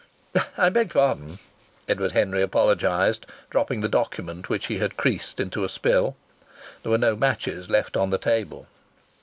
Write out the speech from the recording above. "I beg pardon!" Edward Henry apologized, dropping the document which he had creased into a spill. There were no matches left on the table.